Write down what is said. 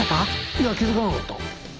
いや気付かなかった。